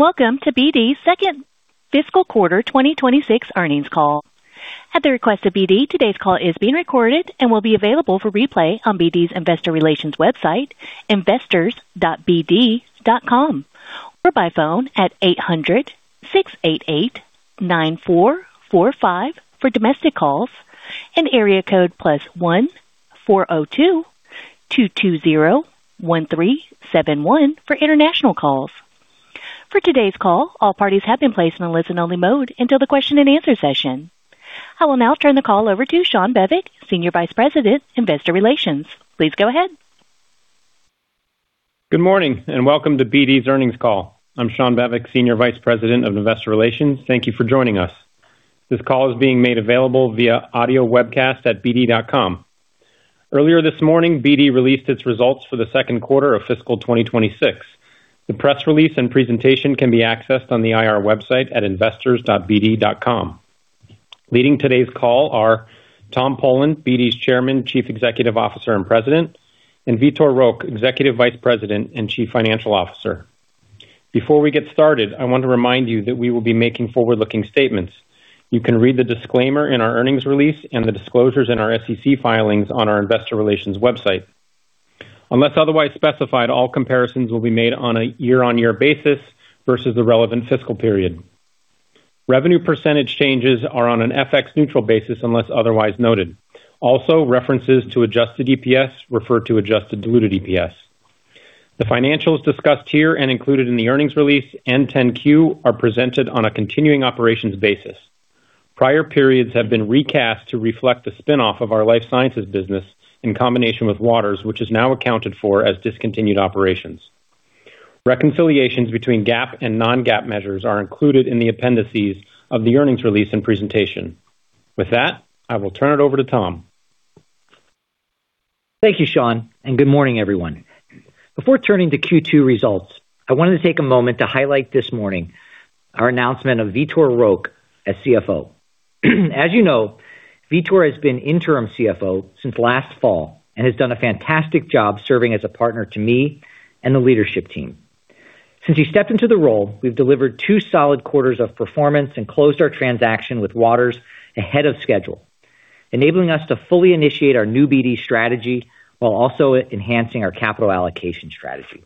Welcome to BD's second fiscal quarter 2026 earnings call. At the request of BD, today's call is being recorded and will be available for replay on BD's investor relations website, investors.bd.com, or by phone at 800-688-9445 for domestic calls and 1-402-220-1371 for international calls. For today's call, all parties have been placed in a listen-only mode until the question and answer session. I will now turn the call over to Shawn Bevec, Senior Vice President, Investor Relations. Please go ahead. Good morning, and welcome to BD's earnings call. I'm Shawn Bevec, Senior Vice President of Investor Relations. Thank you for joining us. This call is being made available via audio webcast at bd.com. Earlier this morning, BD released its results for the second quarter of fiscal 2026. The press release and presentation can be accessed on the IR website at investors.bd.com. Leading today's call are Tom Polen, BD's Chairman, Chief Executive Officer, and President, and Vitor Roque, Executive Vice President and Chief Financial Officer. Before we get started, I want to remind you that we will be making forward-looking statements. You can read the disclaimer in our earnings release and the disclosures in our SEC filings on our investor relations website. Unless otherwise specified, all comparisons will be made on a year-on-year basis versus the relevant fiscal period. Revenue percentage changes are on an FX neutral basis unless otherwise noted. Also, references to adjusted EPS refer to adjusted diluted EPS. The financials discussed here and included in the earnings release and 10-Q are presented on a continuing operations basis. Prior periods have been recast to reflect the spin-off of our life sciences business in combination with Waters, which is now accounted for as discontinued operations. Reconciliations between GAAP and non-GAAP measures are included in the appendices of the earnings release and presentation. With that, I will turn it over to Tom. Thank you, Shawn. Good morning, everyone. Before turning to Q2 results, I wanted to take a moment to highlight this morning our announcement of Vitor Roque as CFO. As you know, Vitor has been interim CFO since last fall and has done a fantastic job serving as a partner to me and the leadership team. Since he stepped into the role, we've delivered two solid quarters of performance and closed our transaction with Waters ahead of schedule, enabling us to fully initiate our new BD strategy while also enhancing our capital allocation strategy.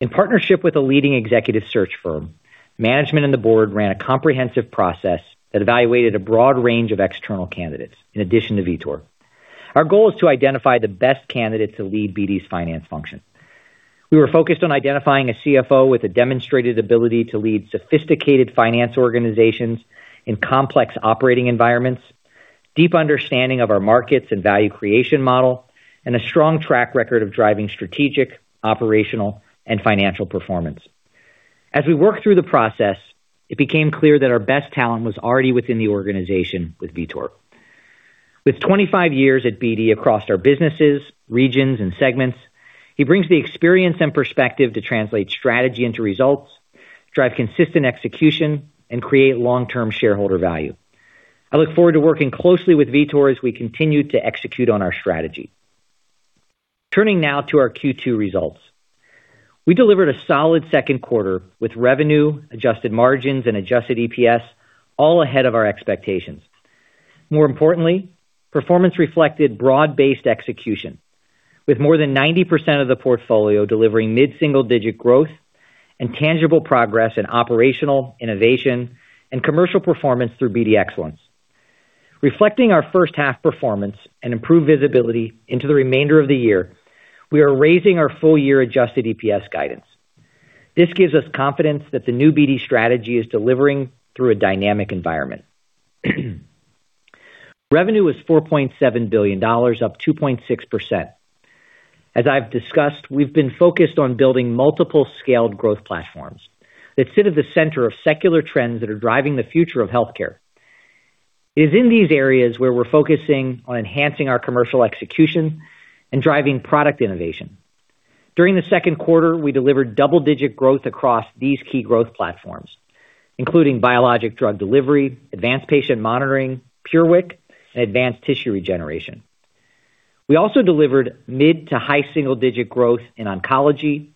In partnership with a leading executive search firm, management and the board ran a comprehensive process that evaluated a broad range of external candidates in addition to Vitor. Our goal is to identify the best candidate to lead BD's finance function. We were focused on identifying a CFO with a demonstrated ability to lead sophisticated finance organizations in complex operating environments, deep understanding of our markets and value creation model, and a strong track record of driving strategic, operational, and financial performance. As we worked through the process, it became clear that our best talent was already within the organization with Vitor. With 25 years at BD across our businesses, regions, and segments, he brings the experience and perspective to translate strategy into results, drive consistent execution, and create long-term shareholder value. I look forward to working closely with Vitor as we continue to execute on our strategy. Turning now to our Q2 results. We delivered a solid second quarter with revenue, adjusted margins, and adjusted EPS all ahead of our expectations. More importantly, performance reflected broad-based execution, with more than 90% of the portfolio delivering mid-single-digit growth and tangible progress in operational innovation and commercial performance through BD Excellence. Reflecting our first half performance and improved visibility into the remainder of the year, we are raising our full-year adjusted EPS guidance. This gives us confidence that the new BD strategy is delivering through a dynamic environment. Revenue was $4.7 billion, up 2.6%. As I've discussed, we've been focused on building multiple scaled growth platforms that sit at the center of secular trends that are driving the future of healthcare. It is in these areas where we're focusing on enhancing our commercial execution and driving product innovation. During the second quarter, we delivered double-digit growth across these key growth platforms, including biologic drug delivery, advanced patient monitoring, PureWick, and advanced tissue regeneration. We also delivered mid to high single-digit growth in oncology,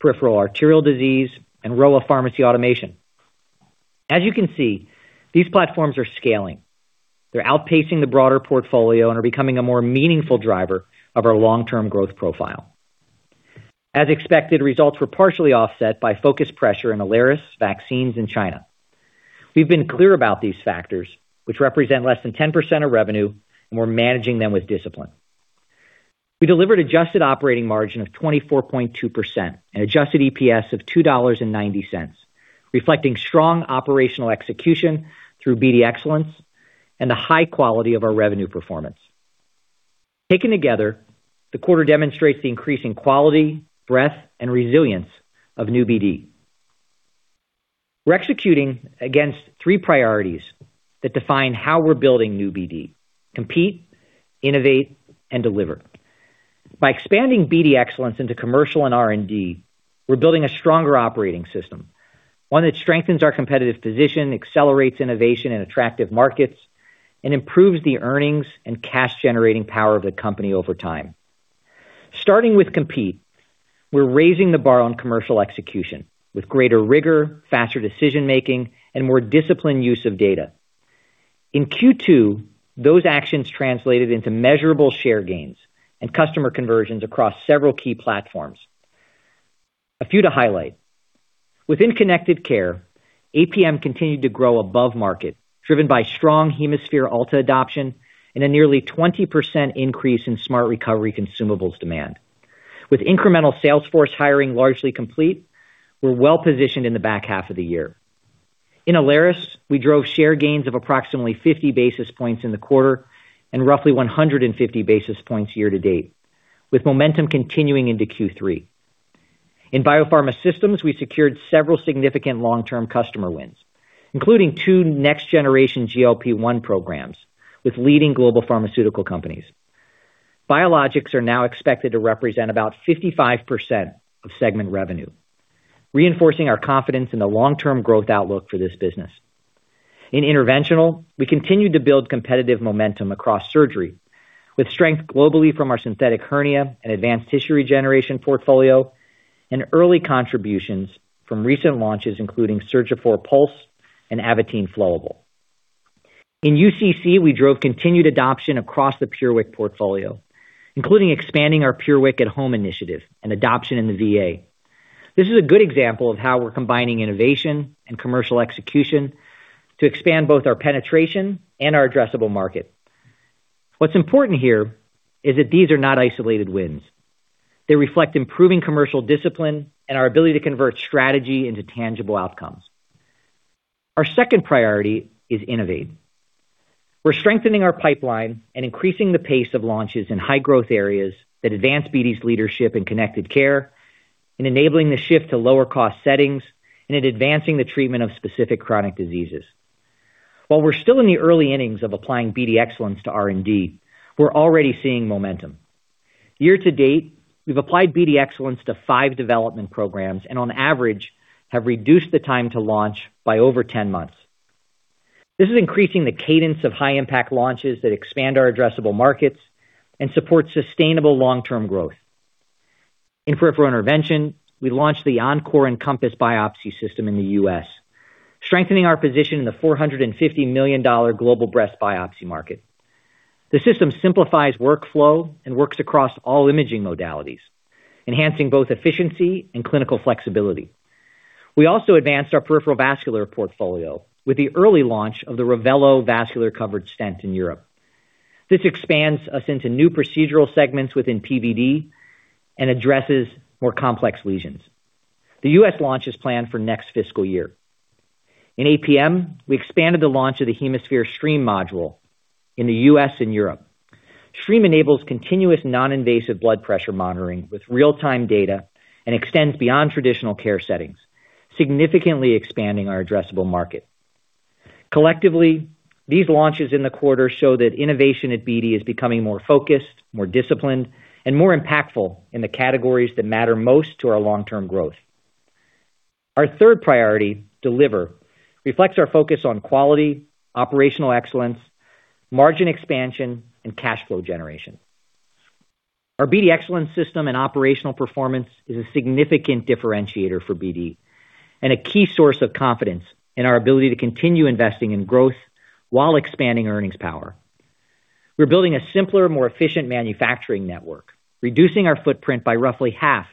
peripheral arterial disease, and Rowa pharmacy automation. As you can see, these platforms are scaling. They're outpacing the broader portfolio and are becoming a more meaningful driver of our long-term growth profile. As expected, results were partially offset by focused pressure in Alaris, vaccines in China. We've been clear about these factors, which represent less than 10% of revenue, and we're managing them with discipline. We delivered adjusted operating margin of 24.2% and adjusted EPS of $2.90, reflecting strong operational execution through BD Excellence and the high quality of our revenue performance. Taken together, the quarter demonstrates the increasing quality, breadth, and resilience of New BD. We're executing against three priorities that define how we're building New BD: compete, innovate, and deliver. By expanding BD Excellence into commercial and R&D, we're building a stronger operating system, one that strengthens our competitive position, accelerates innovation in attractive markets, and improves the earnings and cash-generating power of the company over time. Starting with compete, we're raising the bar on commercial execution with greater rigor, faster decision-making, and more disciplined use of data. In Q2, those actions translated into measurable share gains and customer conversions across several key platforms. A few to highlight. Within connected care, APM continued to grow above market, driven by strong HemoSphere Alta adoption and a nearly 20% increase in Smart Recovery consumables demand. With incremental sales force hiring largely complete, we're well-positioned in the back half of the year. In Alaris, we drove share gains of approximately 50 basis points in the quarter and roughly 150 basis points year to date, with momentum continuing into Q3. In Biopharma Systems, we secured several significant long-term customer wins, including two next-generation GLP-1 programs with leading global pharmaceutical companies. Biologics are now expected to represent about 55% of segment revenue, reinforcing our confidence in the long-term growth outlook for this business. In interventional, we continued to build competitive momentum across surgery with strength globally from our synthetic hernia and advanced tissue regeneration portfolio and early contributions from recent launches, including Surgiphor Pulse and Avitene Flowable. In UCC, we drove continued adoption across the PureWick portfolio, including expanding our PureWick at Home initiative and adoption in the VA. This is a good example of how we're combining innovation and commercial execution to expand both our penetration and our addressable market. What's important here is that these are not isolated wins. They reflect improving commercial discipline and our ability to convert strategy into tangible outcomes. Our second priority is innovate. We're strengthening our pipeline and increasing the pace of launches in high growth areas that advance BD's leadership in connected care and enabling the shift to lower cost settings and in advancing the treatment of specific chronic diseases. While we're still in the early innings of applying BD Excellence to R&D, we're already seeing momentum. Year to date, we've applied BD Excellence to five development programs and on average, have reduced the time to launch by over 10 months. This is increasing the cadence of high impact launches that expand our addressable markets and support sustainable long-term growth. In peripheral intervention, we launched the EnCor EnCompass biopsy system in the U.S., strengthening our position in the $450 million global breast biopsy market. The system simplifies workflow and works across all imaging modalities, enhancing both efficiency and clinical flexibility. We also advanced our peripheral vascular portfolio with the early launch of the Revello Vascular Covered Stent in Europe. This expands us into new procedural segments within PVD and addresses more complex lesions. The U.S. launch is planned for next fiscal year. In APM, we expanded the launch of the HemoSphere Stream module in the U.S. and Europe. Stream enables continuous non-invasive blood pressure monitoring with real-time data and extends beyond traditional care settings, significantly expanding our addressable market. Collectively, these launches in the quarter show that innovation at BD is becoming more focused, more disciplined, and more impactful in the categories that matter most to our long-term growth. Our third priority, deliver, reflects our focus on quality, operational excellence, margin expansion, and cash flow generation. Our BD Excellence system and operational performance is a significant differentiator for BD and a key source of confidence in our ability to continue investing in growth while expanding earnings power. We're building a simpler, more efficient manufacturing network, reducing our footprint by roughly half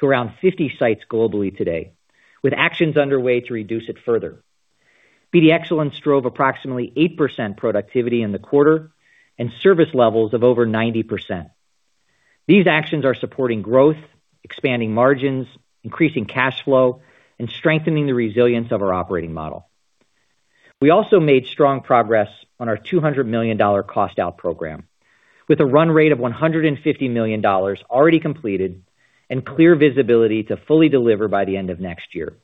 to around 50 sites globally today, with actions underway to reduce it further. BD Excellence drove approximately 8% productivity in the quarter and service levels of over 90%. These actions are supporting growth, expanding margins, increasing cash flow, and strengthening the resilience of our operating model. We also made strong progress on our $200 million cost out program, with a run rate of $150 million already completed and clear visibility to fully deliver by the end of next year.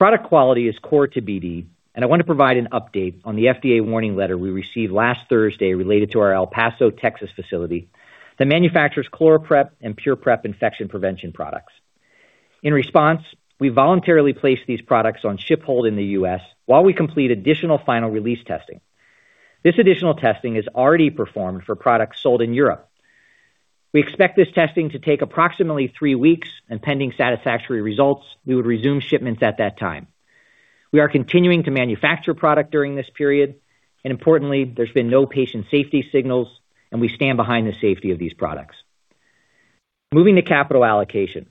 Product quality is core to BD. I want to provide an update on the FDA warning letter we received last Thursday related to our El Paso, Texas facility that manufactures ChloraPrep and PurPrep infection prevention products. In response, we voluntarily placed these products on ship hold in the U.S. while we complete additional final release testing. This additional testing is already performed for products sold in Europe. We expect this testing to take approximately three weeks, pending satisfactory results, we would resume shipments at that time. We are continuing to manufacture product during this period. Importantly, there's been no patient safety signals, and we stand behind the safety of these products. Moving to capital allocation.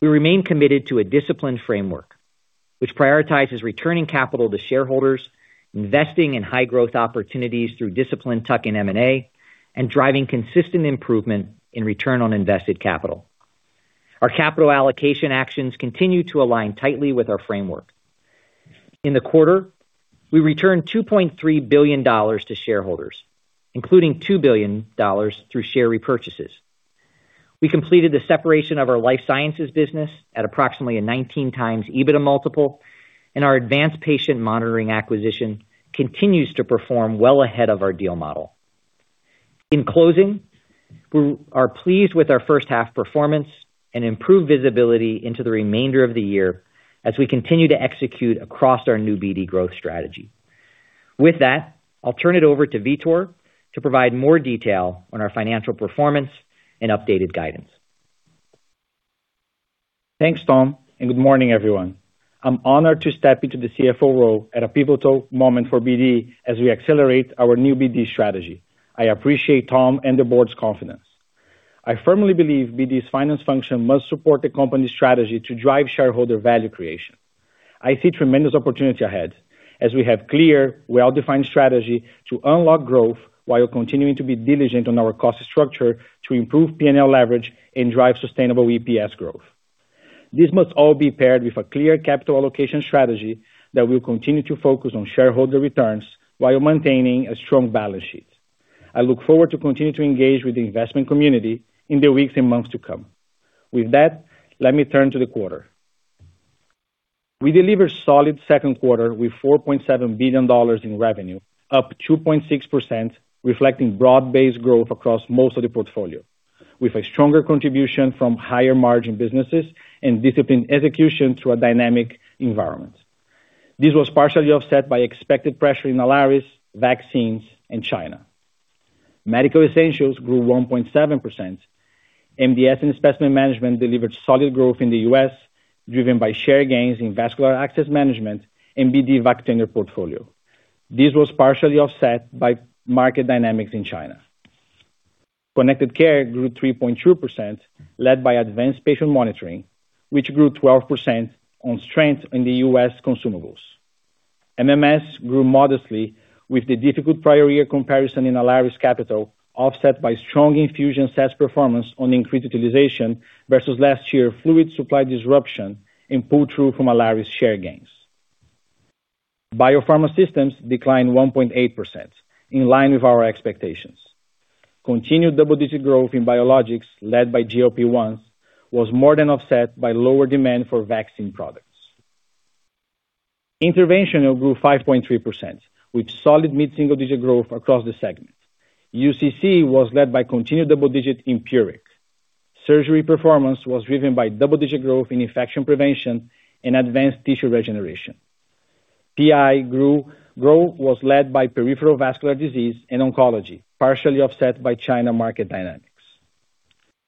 We remain committed to a disciplined framework which prioritizes returning capital to shareholders, investing in high growth opportunities through disciplined tuck-in M&A, driving consistent improvement in return on invested capital. Our capital allocation actions continue to align tightly with our framework. In the quarter, we returned $2.3 billion to shareholders, including $2 billion through share repurchases. We completed the separation of our life sciences business at approximately a 19x EBITDA multiple, and our advanced patient monitoring acquisition continues to perform well ahead of our deal model. In closing, we are pleased with our first half performance and improved visibility into the remainder of the year as we continue to execute across our new BD growth strategy. With that, I'll turn it over to Vitor to provide more detail on our financial performance and updated guidance. Thanks, Tom, and good morning, everyone. I am honored to step into the CFO role at a pivotal moment for BD as we accelerate our new BD strategy. I appreciate Tom and the board's confidence. I firmly believe BD's finance function must support the company's strategy to drive shareholder value creation. I see tremendous opportunity ahead as we have clear, well-defined strategy to unlock growth while continuing to be diligent on our cost structure to improve P&L leverage and drive sustainable EPS growth. This must all be paired with a clear capital allocation strategy that will continue to focus on shareholder returns while maintaining a strong balance sheet. I look forward to continue to engage with the investment community in the weeks and months to come. With that, let me turn to the quarter. We delivered solid second quarter with $4.7 billion in revenue, up 2.6%, reflecting broad-based growth across most of the portfolio, with a stronger contribution from higher margin businesses and disciplined execution through a dynamic environment. This was partially offset by expected pressure in Alaris, vaccines, and China. Medical essentials grew 1.7%. MDS and specimen management delivered solid growth in the U.S., driven by share gains in vascular access management and BD Vacutainer portfolio. This was partially offset by market dynamics in China. Connected Care grew 3.2%, led by advanced patient monitoring, which grew 12% on strength in the U.S. consumables. MMS grew modestly with the difficult prior year comparison in Alaris capital, offset by strong infusion set performance on increased utilization versus last year fluid supply disruption and pull-through from Alaris share gains. Biopharma systems declined 1.8%, in line with our expectations. Continued double-digit growth in biologics led by GLP-1 was more than offset by lower demand for vaccine products. Interventional grew 5.3%, with solid mid-single digit growth across the segment. UCC was led by continued double-digit PureWick. Surgery performance was driven by double-digit growth in infection prevention and advanced tissue regeneration. PI growth was led by peripheral vascular disease and oncology, partially offset by China market dynamics.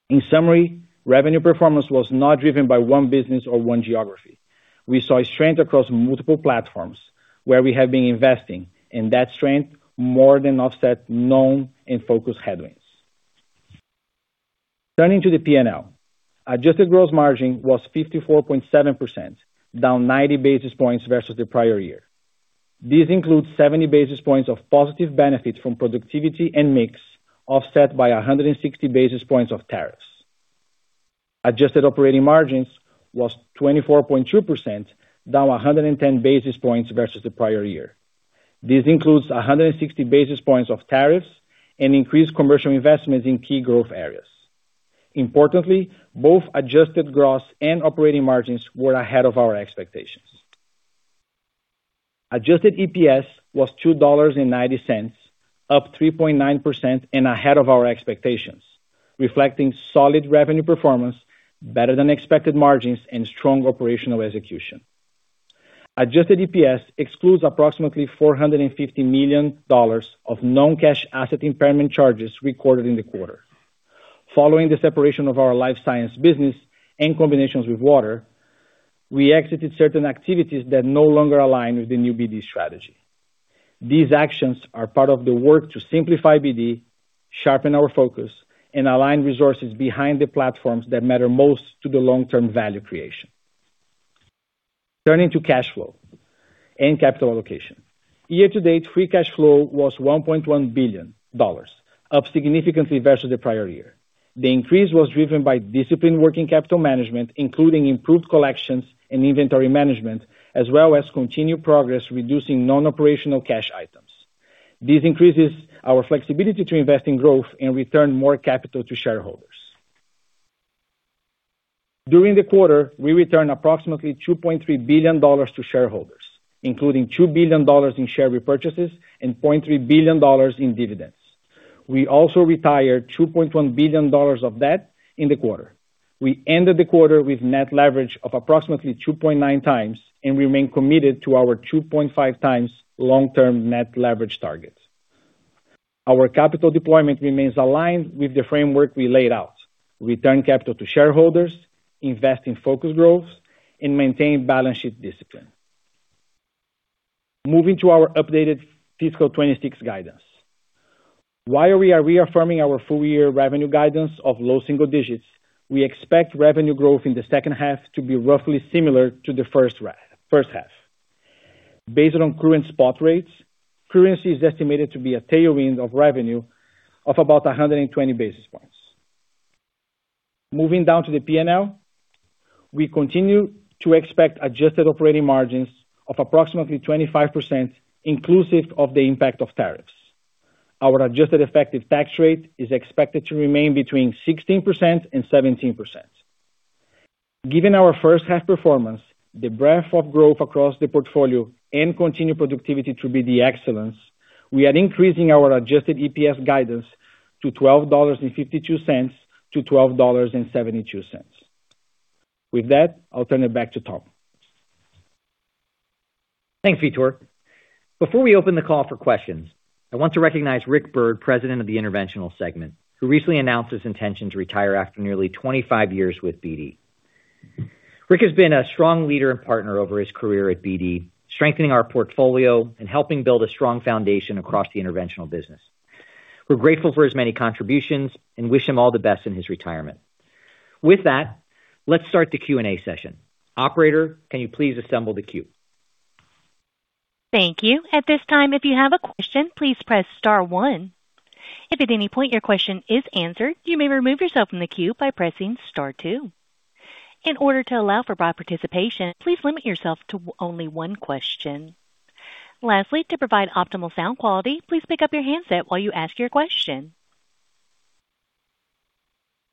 In summary, revenue performance was not driven by one business or one geography. We saw strength across multiple platforms where we have been investing, and that strength more than offset known and focused headwinds. Turning to the P&L. Adjusted gross margin was 54.7%, down 90 basis points versus the prior year. This includes 70 basis points of positive benefits from productivity and mix, offset by 160 basis points of tariffs. Adjusted operating margins was 24.2%, down 110 basis points versus the prior year. This includes 160 basis points of tariffs and increased commercial investments in key growth areas. Importantly, both adjusted gross and operating margins were ahead of our expectations. Adjusted EPS was $2.90, up 3.9% and ahead of our expectations, reflecting solid revenue performance, better than expected margins, and strong operational execution. Adjusted EPS excludes approximately $450 million of non-cash asset impairment charges recorded in the quarter. Following the separation of our life science business and combinations with Waters, we exited certain activities that no longer align with the new BD strategy. These actions are part of the work to simplify BD, sharpen our focus, and align resources behind the platforms that matter most to the long-term value creation. Turning to cash flow and capital allocation. Year to date, free cash flow was $1.1 billion, up significantly versus the prior year. The increase was driven by disciplined working capital management, including improved collections and inventory management, as well as continued progress reducing non-operational cash items. This increases our flexibility to invest in growth and return more capital to shareholders. During the quarter, we returned approximately $2.3 billion to shareholders, including $2 billion in share repurchases and $0.3 billion in dividends. We also retired $2.1 billion of debt in the quarter. We ended the quarter with net leverage of approximately 2.9x and remain committed to our 2.5x long-term net leverage target. Our capital deployment remains aligned with the framework we laid out. Return capital to shareholders, invest in focus growth, and maintain balance sheet discipline. Moving to our updated fiscal 2026 guidance. While we are reaffirming our full-year revenue guidance of low single digits, we expect revenue growth in the second half to be roughly similar to the first half. Based on current spot rates, currency is estimated to be a tailwind of revenue of about 120 basis points. Moving down to the P&L. We continue to expect adjusted operating margins of approximately 25% inclusive of the impact of tariffs. Our adjusted effective tax rate is expected to remain between 16% and 17%. Given our first half performance, the breadth of growth across the portfolio, and continued productivity to BD Excellence, we are increasing our adjusted EPS guidance to $12.52-$12.72. With that, I'll turn it back to Tom. Thanks, Vitor. Before we open the call for questions, I want to recognize Rick Byrd, president of the Interventional Segment, who recently announced his intention to retire after nearly 25 years with BD. Rick has been a strong leader and partner over his career at BD, strengthening our portfolio and helping build a strong foundation across the interventional business. We're grateful for his many contributions and wish him all the best in his retirement. With that, let's start the Q&A session. Operator, can you please assemble the queue? Thank you. At this time, if you have a question, please press star one. If at any point your question is answered, you may remove yourself from the queue by pressing star two. In order to allow for broad participation, please limit yourself to only one question. Lastly, to provide optimal sound quality, please pick up your handset while you ask your question.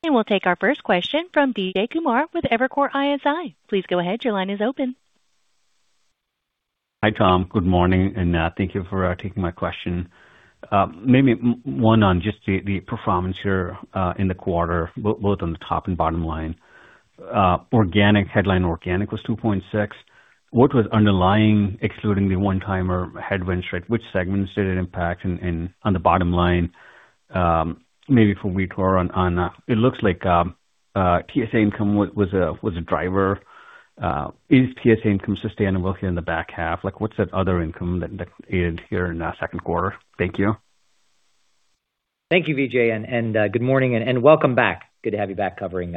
We'll take our first question from Vijay Kumar with Evercore ISI. Please go ahead. Hi, Tom. Good morning, thank you for taking my question. Maybe one on just the performance here in the quarter, both on the top and bottom line. Organic, headline organic was 2.6%. What was underlying, excluding the one-timer headwinds, right, which segments did it impact on the bottom line? Maybe for Vitor on it looks like TSA income was a driver. Is TSA income sustainable here in the back half? What's that other income that ended here in second quarter? Thank you. Thank you, Vijay, and good morning and welcome back. Good to have you back covering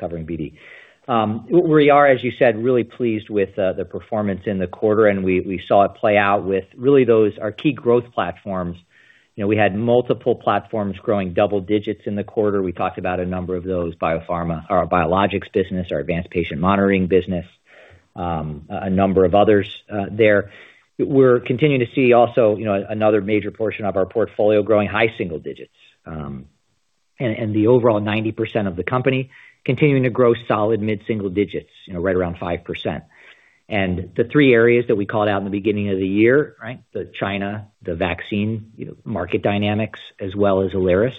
BD. We are, as you said, really pleased with the performance in the quarter, and we saw it play out with really those, our key growth platforms. You know, we had multiple platforms growing double digits in the quarter. We talked about a number of those, biopharma or biologics business, our advanced patient monitoring business, a number of others there. We're continuing to see also, you know, another major portion of our portfolio growing high single digits. The overall 90% of the company continuing to grow solid mid-single digits, you know, right around 5%. The three areas that we called out in the beginning of the year, right? The China, the vaccine, you know, market dynamics as well as Alaris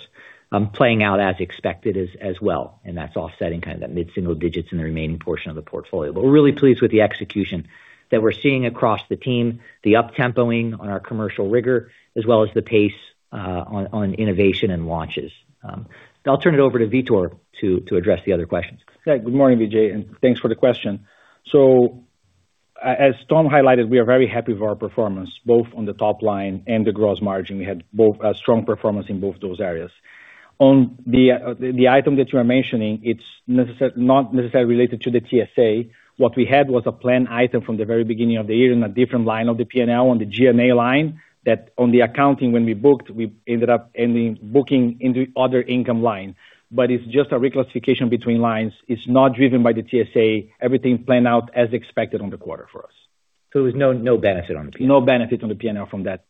playing out as expected as well. That's offsetting kind of that mid-single digits in the remaining portion of the portfolio. We're really pleased with the execution that we're seeing across the team, the up-tempoing on our commercial rigor, as well as the pace on innovation and launches. I'll turn it over to Vitor to address the other questions. Good morning, Vijay Kumar, and thanks for the question. As Tom highlighted, we are very happy with our performance, both on the top line and the gross margin. We had both strong performance in both those areas. On the item that you are mentioning, it's not necessarily related to the TSA. What we had was a planned item from the very beginning of the year in a different line of the P&L on the G&A line, that on the accounting, when we booked, we ended up booking in the other income line. It's just a reclassification between lines. It's not driven by the TSA. Everything planned out as expected on the quarter for us. There's no benefit on the P&L? No benefit on the P&L from that.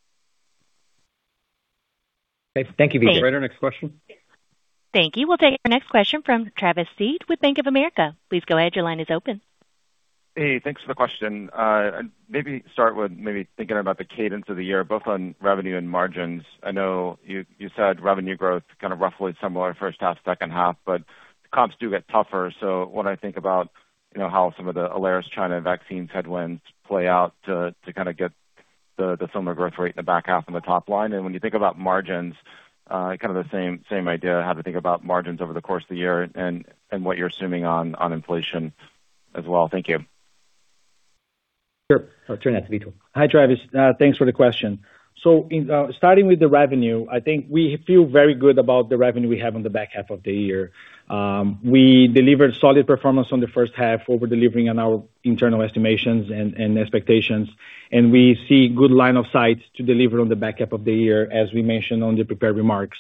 Okay. Thank you, Vijay. Okay. Operator, next question. Thank you. We'll take our next question from Travis Steed with Bank of America. Please go ahead. Your line is open. Hey, thanks for the question. Maybe start with thinking about the cadence of the year, both on revenue and margins. I know you said revenue growth kind of roughly similar first half, second half, but comps do get tougher. When I think about, you know, how some of the Alaris China vaccines headwinds play out to kind of get the similar growth rate in the back half on the top line. When you think about margins, kind of the same idea, how to think about margins over the course of the year and what you're assuming on inflation as well. Thank you. Sure. I'll turn it to Vitor. Hi, Travis. Thanks for the question. In starting with the revenue, I think we feel very good about the revenue we have on the back half of the year. We delivered solid performance on the first half, over-delivering on our internal estimations and expectations, and we see good line of sight to deliver on the back half of the year, as we mentioned on the prepared remarks.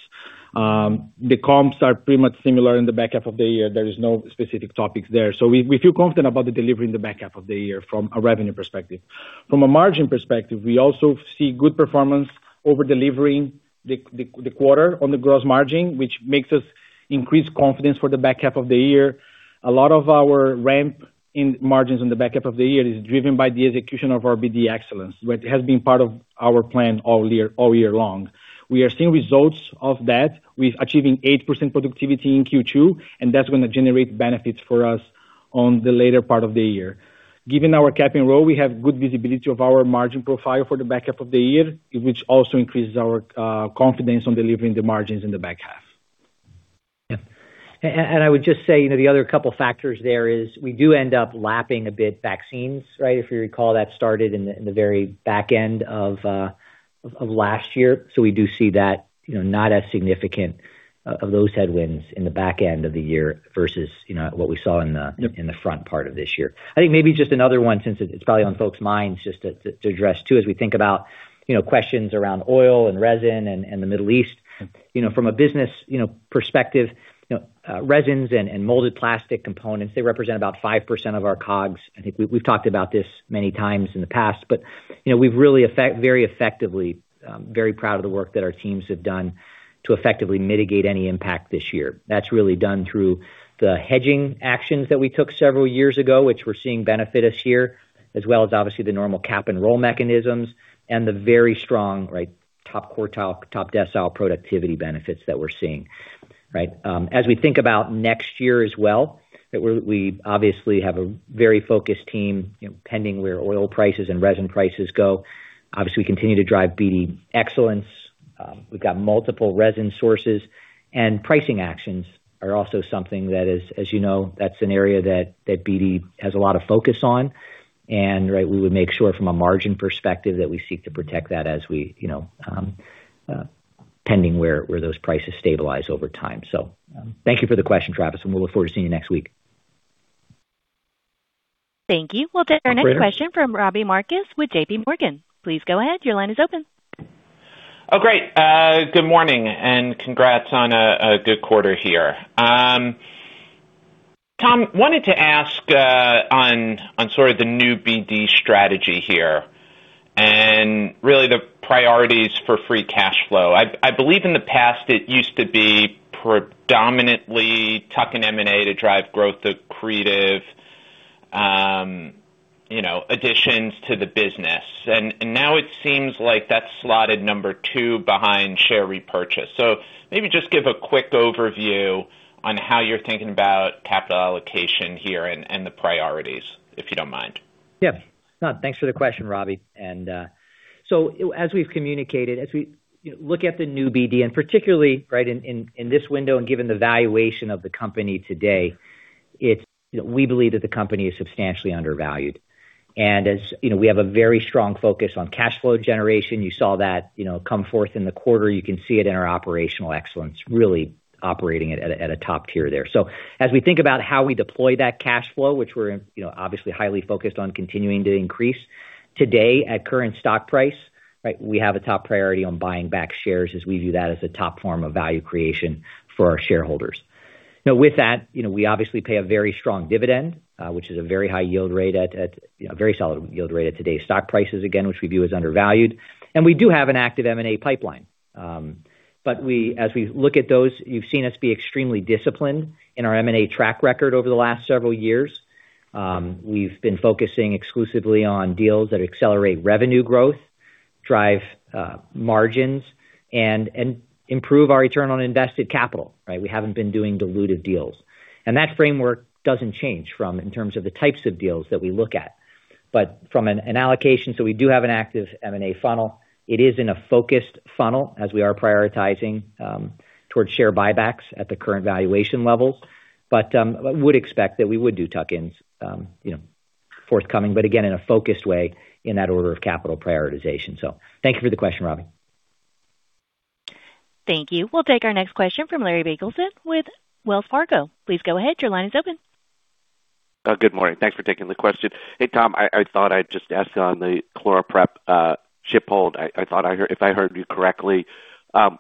The comps are pretty much similar in the back half of the year. There is no specific topics there. We feel confident about the delivery in the back half of the year from a revenue perspective. From a margin perspective, we also see good performance over-delivering the quarter on the gross margin, which makes us increase confidence for the back half of the year. A lot of our ramp in margins in the back half of the year is driven by the execution of our BD Excellence, what has been part of our plan all year long. We are seeing results of that with achieving 8% productivity in Q2, and that's gonna generate benefits for us on the later part of the year. Given our cap and roll, we have good visibility of our margin profile for the back half of the year, which also increases our confidence on delivering the margins in the back half. Yeah. I would just say, you know, the other couple factors there is we do end up lapping a bit vaccines, right? If you recall, that started in the very back end of last year. We do see that, you know, not as significant of those headwinds in the back end of the year versus, you know, what we saw in the front part of this year. I think maybe just another one, since it's probably on folks' minds, just to address too, as we think about, you know, questions around oil and resin and the Middle East. Yep. You know, from a business, you know, perspective, resins and molded plastic components, they represent about 5% of our COGS. I think we've really very effectively, very proud of the work that our teams have done to effectively mitigate any impact this year. That's really done through the hedging actions that we took several years ago, which we're seeing benefit us here, as well as obviously the normal cap and roll mechanisms and the very strong, right, top quartile, top decile productivity benefits that we're seeing. Right. As we think about next year as well, we obviously have a very focused team, you know, pending where oil prices and resin prices go. We continue to drive BD Excellence. We've got multiple resin sources and pricing actions are also something that is, as you know, that's an area that BD has a lot of focus on. Right, we would make sure from a margin perspective that we seek to protect that as we, you know, pending where those prices stabilize over time. Thank you for the question, Travis, and we'll look forward to seeing you next week. Thank you. We'll take our next question from Robbie Marcus with JPMorgan. Please go ahead. Your line is open. Great. Good morning, and congrats on a good quarter here. Tom, wanted to ask on sort of the new BD strategy here and really the priorities for free cash flow. I believe in the past it used to be predominantly tuck-in M&A to drive growth, accretive, you know, additions to the business. And now it seems like that's slotted number two behind share repurchase. Maybe just give a quick overview on how you're thinking about capital allocation here and the priorities, if you don't mind. No, thanks for the question, Robbie. As we've communicated, as we, you know, look at the new BD, and particularly right in, in this window and given the valuation of the company today, we believe that the company is substantially undervalued. You know, we have a very strong focus on cash flow generation. You saw that, you know, come forth in the quarter. You can see it in our operational excellence really operating at a top tier there. As we think about how we deploy that cash flow, which we're, you know, obviously highly focused on continuing to increase today at current stock price, right? We have a top priority on buying back shares as we view that as a top form of value creation for our shareholders. Now, with that, you know, we obviously pay a very strong dividend, which is a very high yield rate at, you know, very solid yield rate at today's stock prices again, which we view as undervalued. We do have an active M&A pipeline. As we look at those, you've seen us be extremely disciplined in our M&A track record over the last several years. We've been focusing exclusively on deals that accelerate revenue growth, drive margins, and improve our return on invested capital. We haven't been doing dilutive deals. That framework doesn't change from in terms of the types of deals that we look at. From an allocation, we do have an active M&A funnel. It is in a focused funnel as we are prioritizing towards share buybacks at the current valuation levels. Would expect that we would do tuck-ins, you know, forthcoming, but again in a focused way in that order of capital prioritization. Thank you for the question, Robbie. Thank you. We'll take our next question from Larry Biegelsen with Wells Fargo. Please go ahead. Good morning. Thanks for taking the question. Hey, Tom, I thought I'd just ask on the ChloraPrep ship hold. If I heard you correctly,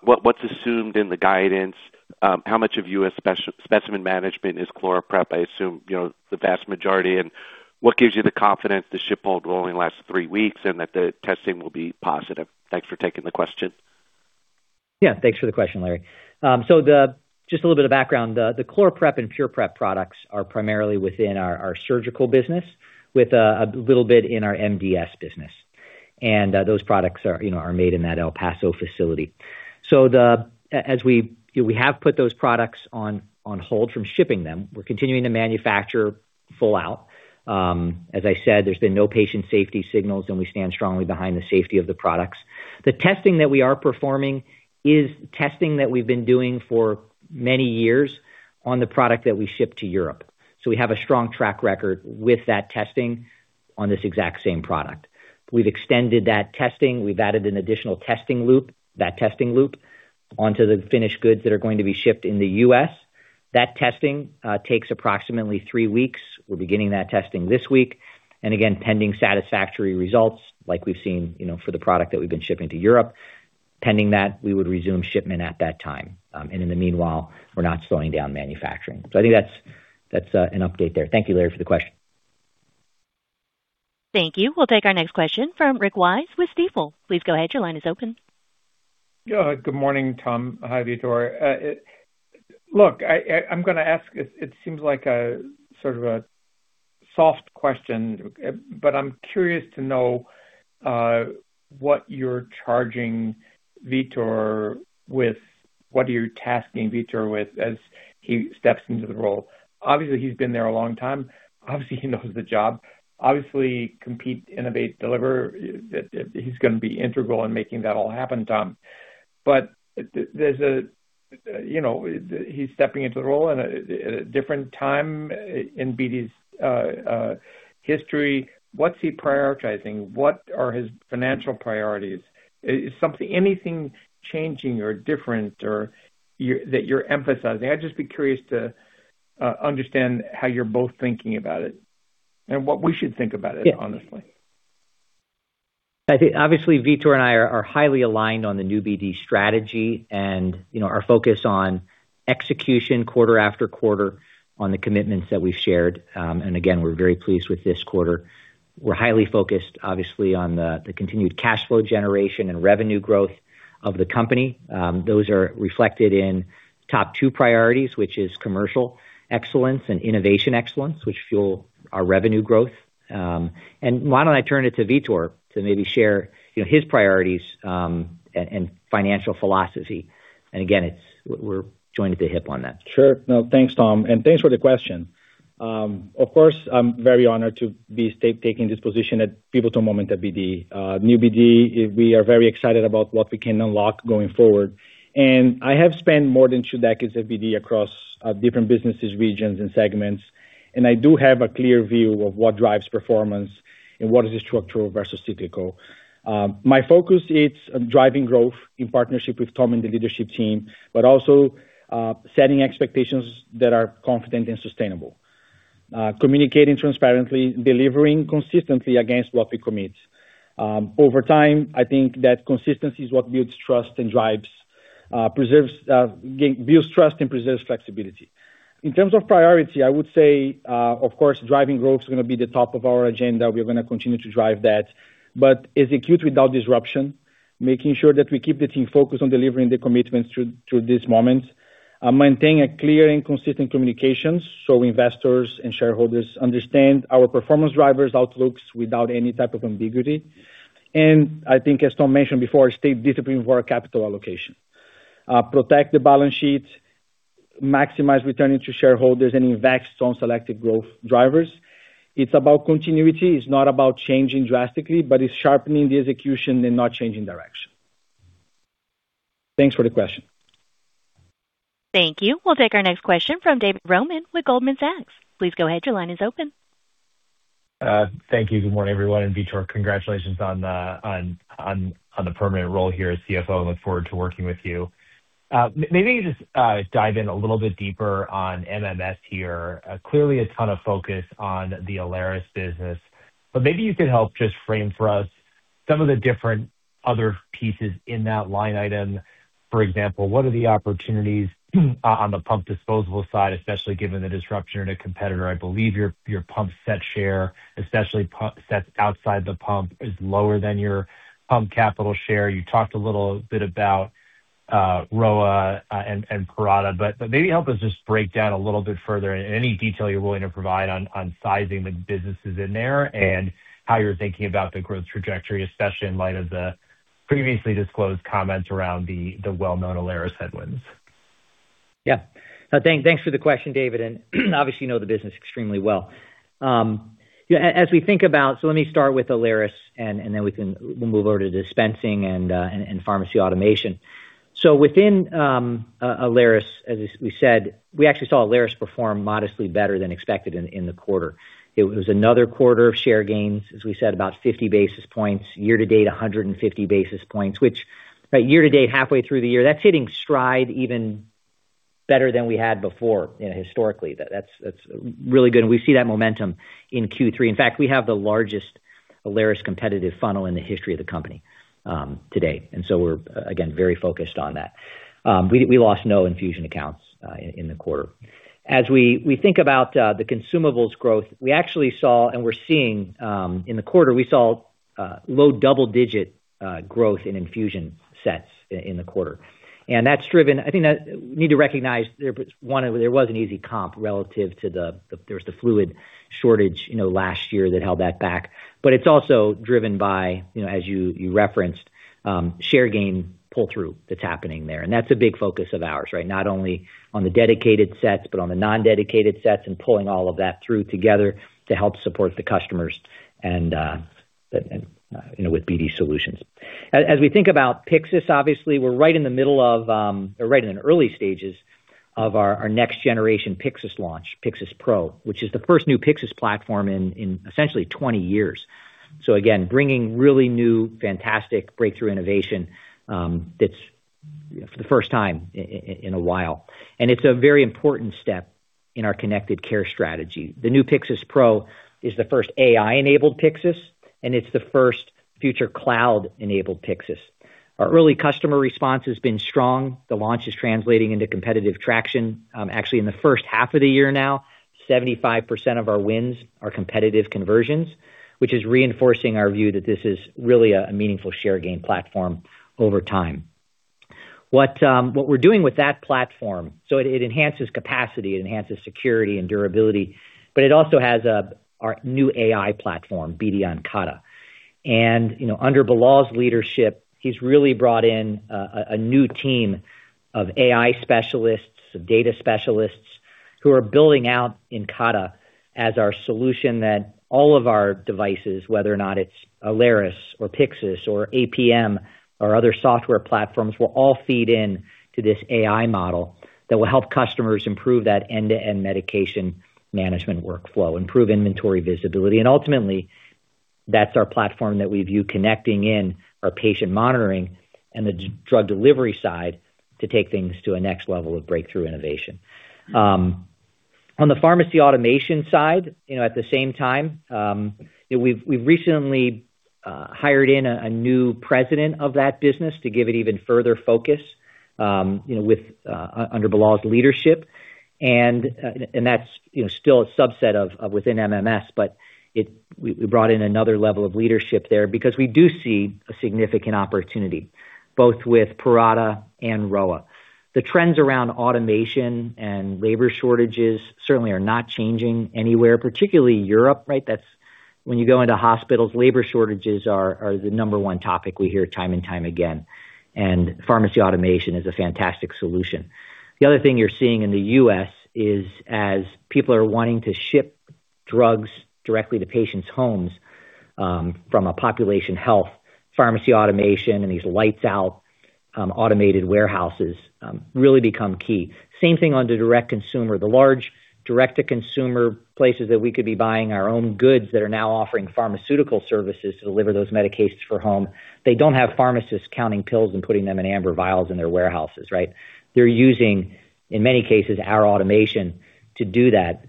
what's assumed in the guidance, how much of U.S. specimen management is ChloraPrep? I assume, you know, the vast majority. What gives you the confidence the ship hold will only last three weeks and that the testing will be positive? Thanks for taking the question. Yeah, thanks for the question, Larry. Just a little bit of background. The ChloraPrep and PurPrep products are primarily within our surgical business with a little bit in our MDS business. Those products are made in that El Paso facility. We have put those products on hold from shipping them. We're continuing to manufacture full out. As I said, there's been no patient safety signals, and we stand strongly behind the safety of the products. The testing that we are performing is testing that we've been doing for many years on the product that we ship to Europe. We have a strong track record with that testing on this exact same product. We've extended that testing. We've added an additional testing loop, that testing loop onto the finished goods that are going to be shipped in the U.S. That testing takes approximately three weeks. We're beginning that testing this week. Again, pending satisfactory results like we've seen, you know, for the product that we've been shipping to Europe, pending that, we would resume shipment at that time. In the meanwhile, we're not slowing down manufacturing. I think that's an update there. Thank you, Larry, for the question. Thank you. We'll take our next question from Rick Wise with Stifel. Please go ahead. Your line is open. Yeah. Good morning, Tom. Hi, Vitor. look, I'm gonna ask, it seems like a sort of a soft question, but I'm curious to know, what you're charging Vitor with, what are you tasking Vitor with as he steps into the role. Obviously, he's been there a long time. Obviously, he knows the job. Obviously, compete, innovate, deliver, he's gonna be integral in making that all happen, Tom. You know, he's stepping into the role at a different time in BD's history. What's he prioritizing? What are his financial priorities? Is something, anything changing or different or that you're emphasizing? I'd just be curious to understand how you're both thinking about it and what we should think about it, honestly. I think obviously Vitor and I are highly aligned on the new BD strategy and, you know, our focus on execution quarter after quarter on the commitments that we've shared. Again, we're very pleased with this quarter. We're highly focused obviously, on the continued cash flow generation and revenue growth of the company. Those are reflected in top two priorities, which is commercial excellence and innovation excellence, which fuel our revenue growth. Why don't I turn it to Vitor to maybe share, you know, his priorities, and financial philosophy? Again, we're joined at the hip on that. Sure. No. Thanks, Tom, and thanks for the question. Of course, I'm very honored to be taking this position at pivotal moment at BD. New BD, we are very excited about what we can unlock going forward. I have spent more than two decades at BD across different businesses, regions and segments, and I do have a clear view of what drives performance and what is structural versus cyclical. My focus is on driving growth in partnership with Tom and the leadership team, but also setting expectations that are confident and sustainable. Communicating transparently, delivering consistently against what we commit. Over time, I think that consistency is what builds trust and preserves flexibility. In terms of priority, I would say, of course, driving growth is gonna be the top of our agenda. We're gonna continue to drive that. Execute without disruption, making sure that we keep the team focused on delivering the commitments through this moment. Maintain a clear and consistent communications so investors and shareholders understand our performance drivers' outlooks without any type of ambiguity. I think as Tom mentioned before, stay disciplined for our capital allocation. Protect the balance sheet, maximize returning to shareholders, and invest on selected growth drivers. It's about continuity. It's not about changing drastically, but it's sharpening the execution and not changing direction. Thanks for the question. Thank you. We'll take our next question from David Roman with Goldman Sachs. Please go ahead. Your line is open. Thank you. Good morning, everyone. Vitor, congratulations on the permanent role here as CFO. I look forward to working with you. Maybe just dive in a little bit deeper on MMS here. Clearly a ton of focus on the Alaris business, but maybe you could help just frame for us some of the different other pieces in that line item. For example, what are the opportunities on the pump disposable side, especially given the disruption in a competitor? I believe your pump set share, especially pump sets outside the pump, is lower than your pump capital share. You talked a little bit about Rowa and Parata, but maybe help us just break down a little bit further any detail you're willing to provide on sizing the businesses in there and how you're thinking about the growth trajectory, especially in light of the previously disclosed comments around the well-known Alaris headwinds. Thanks for the question, David, and obviously you know the business extremely well. Let me start with Alaris and then we'll move over to dispensing and pharmacy automation. Within Alaris, as we said, we actually saw Alaris perform modestly better than expected in the quarter. It was another quarter of share gains, as we said, about 50 basis points year to date, 150 basis points, which year to date, halfway through the year, that's hitting stride even better than we had before, you know, historically. That's really good, we see that momentum in Q3. In fact, we have the largest Alaris competitive funnel in the history of the company today. We're again very focused on that. We lost no infusion accounts in the quarter. As we think about the consumables growth, we actually saw and we're seeing in the quarter, we saw low double-digit growth in infusion sets in the quarter. I think that we need to recognize there, one, there was an easy comp relative to the fluid shortage, you know, last year that held that back. It's also driven by, you know, as you referenced, share gain pull-through that's happening there. That's a big focus of ours, right? Not only on the dedicated sets, but on the non-dedicated sets and pulling all of that through together to help support the customers and, you know, with BD solutions. As we think about Pyxis, obviously, we're right in the middle of, or right in the early stages of our next generation Pyxis launch, Pyxis Pro, which is the first new Pyxis platform in essentially 20 years. Again, bringing really new, fantastic breakthrough innovation, that's for the first time in a while. It's a very important step in our connected care strategy. The new Pyxis Pro is the first AI-enabled Pyxis, and it's the first future cloud-enabled Pyxis. Our early customer response has been strong. The launch is translating into competitive traction. Actually, in the first half of the year now, 75% of our wins are competitive conversions, which is reinforcing our view that this is really a meaningful share gain platform over time. What we're doing with that platform, it enhances capacity, it enhances security and durability, but it also has our new AI platform, BD Incada. You know, under Bilal's leadership, he's really brought in a new team of AI specialists, of data specialists who are building out Incada as our solution that all of our devices, whether or not it's Alaris or Pyxis or APM or other software platforms, will all feed in to this AI model that will help customers improve that end-to-end medication management workflow, improve inventory visibility. Ultimately, that's our platform that we view connecting in our patient monitoring and the drug delivery side to take things to a next level of breakthrough innovation. On the pharmacy automation side, you know, at the same time, you know, we've recently hired in a new president of that business to give it even further focus, you know, under Bilal's leadership. That's, you know, still a subset of within MMS, but we brought in another level of leadership there because we do see a significant opportunity, both with Parata and Rowa. The trends around automation and labor shortages certainly are not changing anywhere, particularly Europe, right? That's when you go into hospitals, labor shortages are the number one topic we hear time and time again, and pharmacy automation is a fantastic solution. The other thing you're seeing in the U.S. is, as people are wanting to ship drugs directly to patients' homes, from a population health pharmacy automation and these lights out, automated warehouses, really become key. Same thing on the direct consumer. The large direct-to-consumer places that we could be buying our own goods that are now offering pharmaceutical services to deliver those medications for home, they don't have pharmacists counting pills and putting them in amber vials in their warehouses, right? They're using, in many cases, our automation to do that,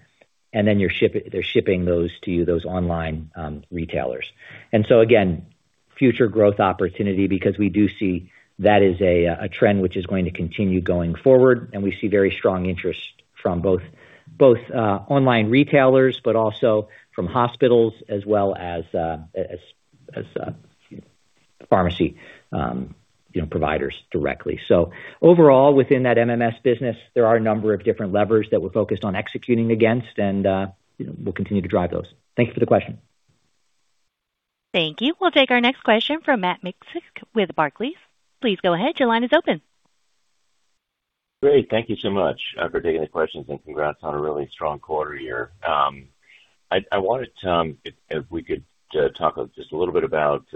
and then they're shipping those to you, those online, retailers. Again, future growth opportunity because we do see that is a trend which is going to continue going forward, and we see very strong interest from both online retailers, but also from hospitals as well as pharmacy, you know, providers directly. Overall, within that MMS business, there are a number of different levers that we're focused on executing against and, you know, we'll continue to drive those. Thank you for the question. Thank you. We'll take our next question from Matt Miksic with Barclays. Please go ahead. Your line is open. Great. Thank you so much for taking the questions and congrats on a really strong quarter here. I wanted if we could talk just a little bit about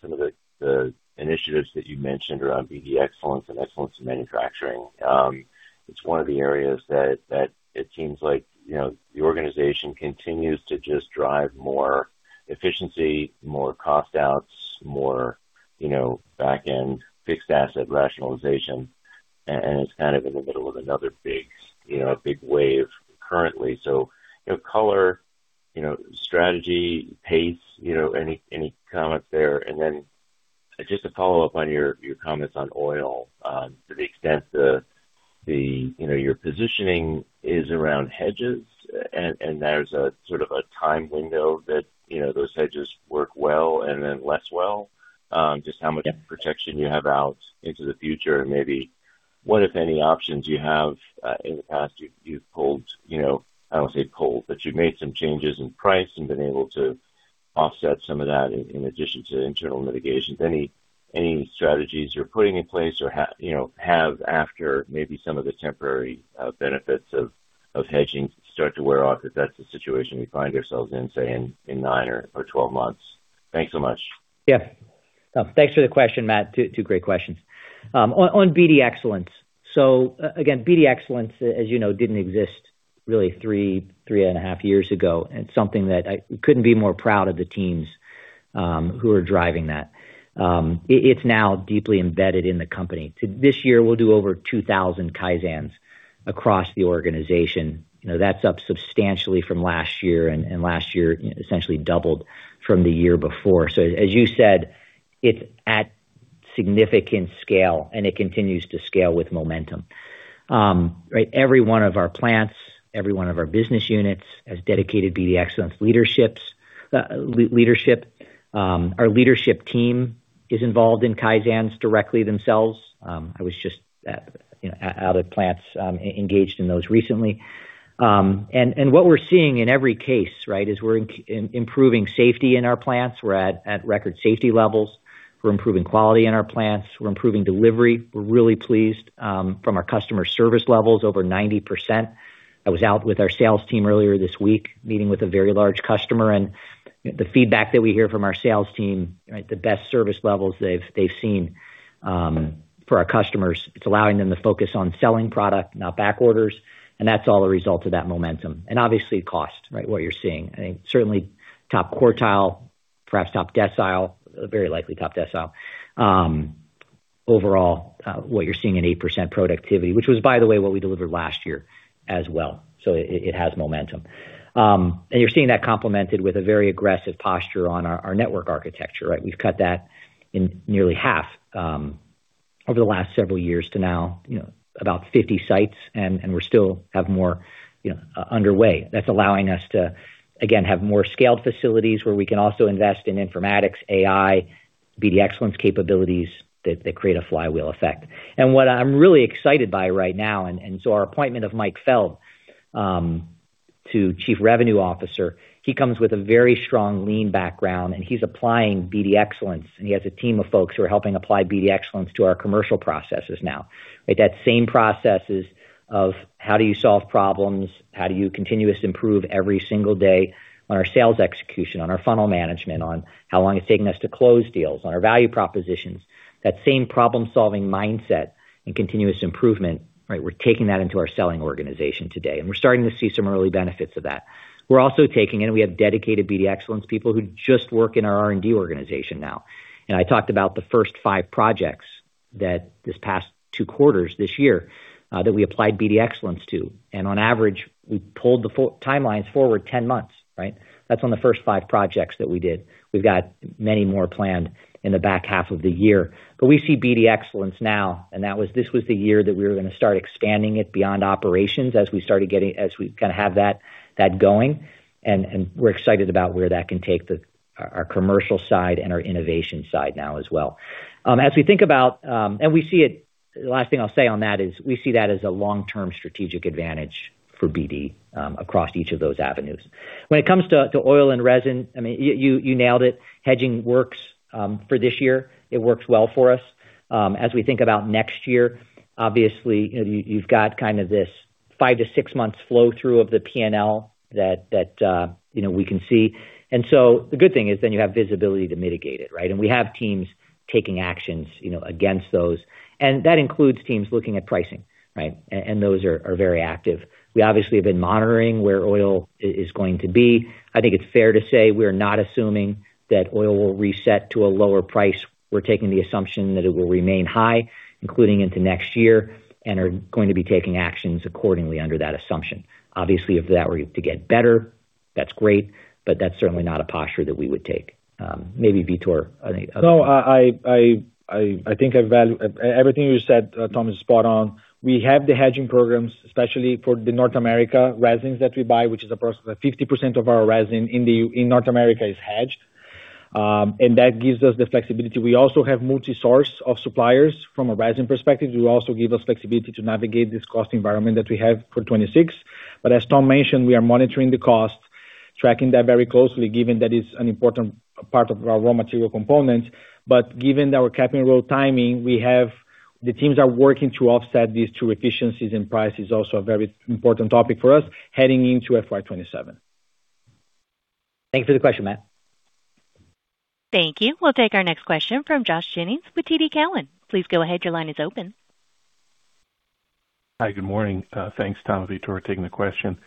some of the initiatives that you mentioned around BD Excellence and excellence in manufacturing. It's one of the areas that it seems like, you know, the organization continues to just drive more efficiency, more cost outs, more, you know, back-end fixed asset rationalization, and it's kind of in the middle of another big wave currently. You know, color, strategy, pace, any comment there? Just to follow up on your comments on oil, to the extent, you know, your positioning is around hedges, and there's a sort of a time window that, you know, those hedges work well and then less well. Just how much protection you have out into the future and maybe what, if any, options you have? In the past, you've pulled, you know, I don't wanna say pulled, but you've made some changes in price and been able to offset some of that in addition to internal mitigations. Any strategies you're putting in place or, you know, have after maybe some of the temporary benefits of hedging start to wear off, if that's the situation we find ourselves in, say, in nine or 12 months? Thanks so much. Yeah. No, thanks for the question, Matt. Two great questions. On BD Excellence. Again, BD Excellence, as you know, didn't exist really 3.5 years ago. It's something that I couldn't be more proud of the teams who are driving that. It's now deeply embedded in the company. This year, we'll do over 2,000 kaizens across the organization. You know, that's up substantially from last year and last year, you know, essentially doubled from the year before. As you said, it's at significant scale, and it continues to scale with momentum. Right, every one of our plants, every one of our business units has dedicated BD Excellence leadership. Our leadership team is involved in kaizens directly themselves. I was just, you know, out at plants, engaged in those recently. And what we're seeing in every case, right, is we're improving safety in our plants. We're at record safety levels. We're improving quality in our plants. We're improving delivery. We're really pleased from our customer service levels, over 90%. I was out with our sales team earlier this week, meeting with a very large customer, and the feedback that we hear from our sales team, right, the best service levels they've seen for our customers. It's allowing them to focus on selling product, not back orders, and that's all a result of that momentum. Obviously cost, right? What you're seeing. I think certainly top quartile, perhaps top decile, very likely top decile. Overall, what you're seeing in 8% productivity, which was, by the way, what we delivered last year as well. It has momentum. You're seeing that complemented with a very aggressive posture on our network architecture, right? We've cut that in nearly half over the last several years to now, you know, about 50 sites, and we still have more, you know, underway. That's allowing us to again, have more scaled facilities where we can also invest in informatics, AI, BD Excellence capabilities that create a flywheel effect. What I'm really excited by right now, and so our appointment of Michael Feld to Chief Revenue Officer, he comes with a very strong lean background, and he's applying BD Excellence, and he has a team of folks who are helping apply BD Excellence to our commercial processes now. Right? That same processes of how do you solve problems, how do you continuous improve every single day on our sales execution, on our funnel management, on how long it's taking us to close deals, on our value propositions. That same problem-solving mindset and continuous improvement, right? We're taking that into our selling organization today, and we're starting to see some early benefits of that. We're also taking it, and we have dedicated BD Excellence people who just work in our R&D organization now. I talked about the first five projects that this past two quarters this year, that we applied BD Excellence to, and on average, we pulled the full timelines forward 10 months, right? That's on the first five projects that we did. We've got many more planned in the back half of the year. We see BD Excellence now, this was the year that we were going to start expanding it beyond operations as we kind of have that going. We're excited about where that can take our commercial side and our innovation side now as well. As we think about, and we see it The last thing I'll say on that is we see that as a long-term strategic advantage for BD across each of those avenues. When it comes to oil and resin, I mean, you nailed it. Hedging works for this year. It works well for us. As we think about next year, obviously, you've got kind of this five to six months flow through of the P&L that, you know, we can see. The good thing is then you have visibility to mitigate it, right? We have teams taking actions, you know, against those. That includes teams looking at pricing, right? Those are very active. We obviously have been monitoring where oil is going to be. I think it's fair to say we're not assuming that oil will reset to a lower price. We're taking the assumption that it will remain high, including into next year, and are going to be taking actions accordingly under that assumption. Obviously, if that were to get better, that's great, but that's certainly not a posture that we would take. Maybe Vitor. No, I think everything you said, Tom, is spot on. We have the hedging programs, especially for the North America resins that we buy, which is approximately 50% of our resin in North America is hedged. That gives us the flexibility. We also have multi-source of suppliers from a resin perspective, which will also give us flexibility to navigate this cost environment that we have for 2026. As Tom mentioned, we are monitoring the cost, tracking that very closely, given that it's an important part of our raw material component. Given our cap and roll timing, the teams are working to offset these two efficiencies, and price is also a very important topic for us heading into FY 2027. Thanks for the question, Matt. Thank you. We'll take our next question from Josh Jennings with TD Cowen. Please go ahead. Your line is open. Hi. Good morning. Thanks, Tom, Vitor, taking the question.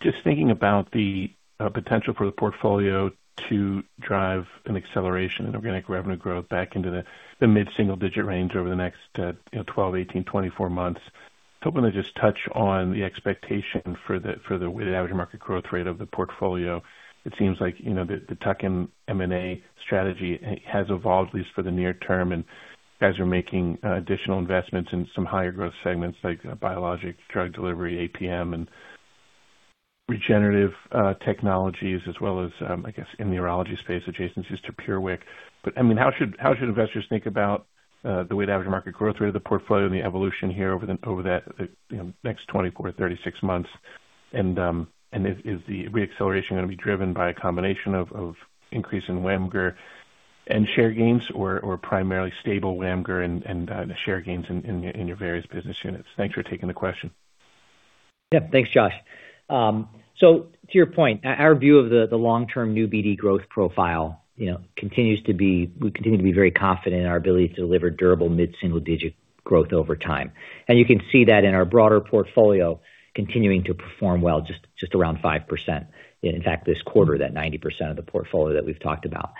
Just thinking about the potential for the portfolio to drive an acceleration in organic revenue growth back into the mid-single-digit range over the next, you know, 12, 18, 24 months. I'm gonna just touch on the expectation for the average market growth rate of the portfolio. It seems like, you know, the tuck-in M&A strategy has evolved, at least for the near term, and you guys are making additional investments in some higher growth segments like biologic drug delivery, APM, and regenerative technologies, as well as, I guess, in the urology space, adjacencies to PureWick. I mean, how should investors think about the way the average market growth rate of the portfolio and the evolution here over that, you know, next 24, 36 months? Is the re-acceleration going to be driven by a combination of increase in WAMGR and share gains or primarily stable WAMGR and the share gains in your various business units? Thanks for taking the question. Yeah. Thanks, Josh. To your point, our view of the long-term new BD growth profile, you know, continues to be, we continue to be very confident in our ability to deliver durable mid-single-digit growth over time. You can see that in our broader portfolio continuing to perform well, just around 5%. In fact, this quarter, that 90% of the portfolio that we've talked about.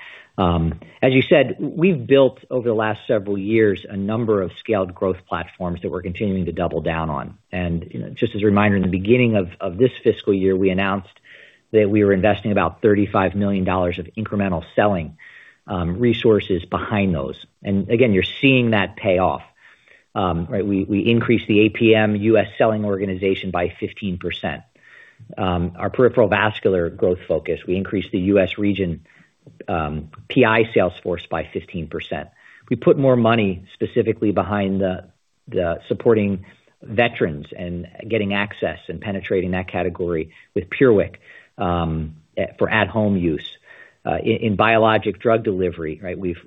As you said, we've built over the last several years a number of scaled growth platforms that we're continuing to double down on. You know, just as a reminder, in the beginning of this fiscal year, we announced that we were investing about $35 million of incremental selling resources behind those. Again, you're seeing that pay off. We increased the APM U.S. selling organization by 15%. Our peripheral vascular growth focus, we increased the U.S. region PI sales force by 15%. We put more money specifically behind the supporting veterans and getting access and penetrating that category with PureWick for at-home use. In biologic drug delivery, right, we've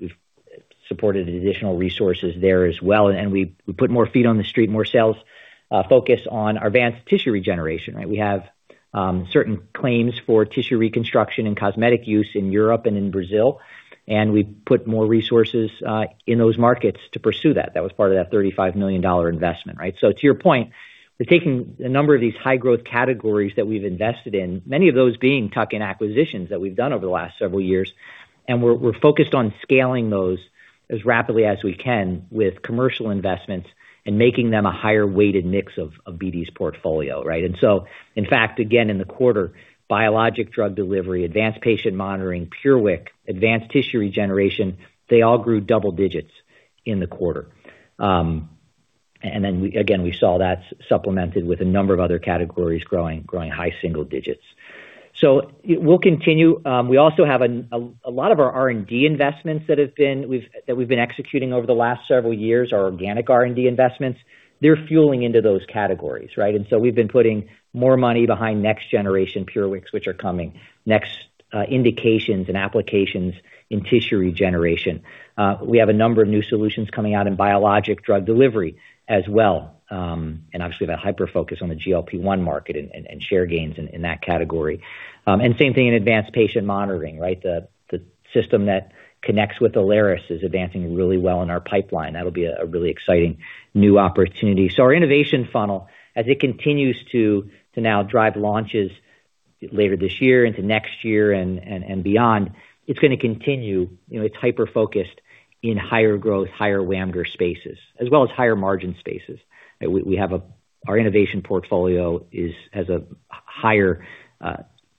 supported additional resources there as well, and we put more feet on the street, more sales focus on advanced tissue regeneration, right? We have certain claims for tissue reconstruction and cosmetic use in Europe and in Brazil, and we put more resources in those markets to pursue that. That was part of that $35 million investment, right? To your point, we're taking a number of these high growth categories that we've invested in, many of those being tuck-in acquisitions that we've done over the last several years, and we're focused on scaling those as rapidly as we can with commercial investments and making them a higher weighted mix of BD's portfolio, right? In fact, again, in the quarter, biologic drug delivery, advanced patient monitoring, PureWick, advanced tissue regeneration, they all grew double-digits in the quarter. Again, we saw that supplemented with a number of other categories growing high single-digits. We'll continue. We also have a lot of our R&D investments that we've been executing over the last several years are organic R&D investments. They're fueling into those categories, right? We've been putting more money behind next generation PureWick, which are coming. Next, indications and applications in tissue regeneration. We have a number of new solutions coming out in biologic drug delivery as well. Obviously, that hyper focus on the GLP-1 market and share gains in that category. Same thing in advanced patient monitoring, right? The system that connects with Alaris is advancing really well in our pipeline. That'll be a really exciting new opportunity. Our innovation funnel, as it continues to now drive launches later this year into next year and beyond, it's gonna continue. You know, it's hyper-focused in higher growth, higher WAMGR spaces as well as higher margin spaces. We have a our innovation portfolio has a higher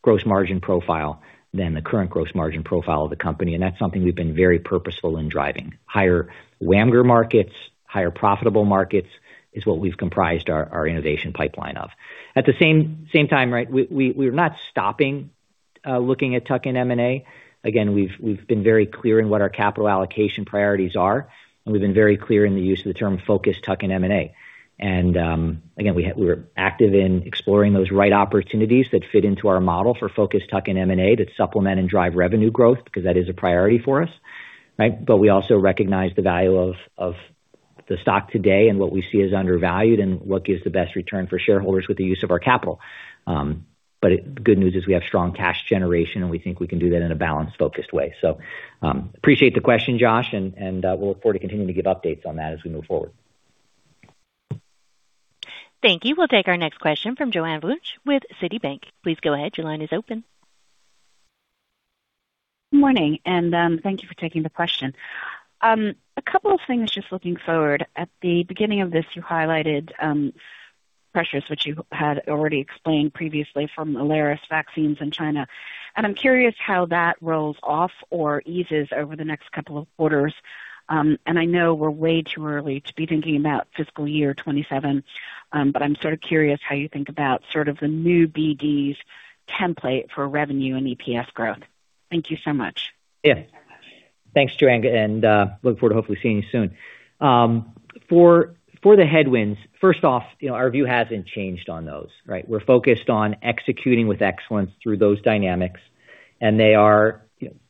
gross margin profile than the current gross margin profile of the company, and that's something we've been very purposeful in driving. Higher WAMGR markets, higher profitable markets is what we've comprised our innovation pipeline of. At the same time, right, we're not stopping looking at tuck-in M&A. Again, we've been very clear in what our capital allocation priorities are, and we've been very clear in the use of the term focused tuck-in M&A. Again, we're active in exploring those right opportunities that fit into our model for focused tuck-in M&A to supplement and drive revenue growth because that is a priority for us, right? We also recognize the value of the stock today and what we see as undervalued and what gives the best return for shareholders with the use of our capital. Good news is we have strong cash generation, and we think we can do that in a balanced, focused way. Appreciate the question, Josh, and we'll look forward to continuing to give updates on that as we move forward. Thank you. We'll take our next question from Joanna Wuensch with Citibank. Please go ahead. Morning, thank you for taking the question. A couple of things just looking forward. At the beginning of this, you highlighted pressures which you had already explained previously from Alaris vaccines in China. I'm curious how that rolls off or eases over the next couple of quarters. I know we're way too early to be thinking about fiscal year 2027, but I'm sort of curious how you think about sort of the new BD's template for revenue and EPS growth. Thank you so much. Yeah. Thanks, Joanna, and look forward to hopefully seeing you soon. For the headwinds, first off, you know, our view hasn't changed on those, right? We're focused on executing with excellence through those dynamics, and they are,